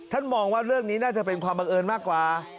มองว่าเรื่องนี้น่าจะเป็นความบังเอิญมากกว่า